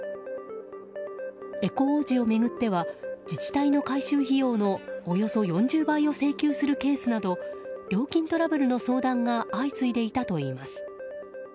エコ王子を巡っては自治体の回収費用のおよそ４０倍を請求するケースなど料金トラブルの相談が相次いでいたといいます。